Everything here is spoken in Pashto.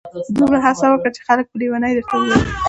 دومره هڅه وکړه چي خلک په لیوني درته ووایي.